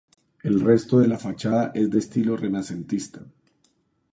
El resto de la fachada es de estilo Renacentista.